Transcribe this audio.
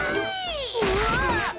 うわ。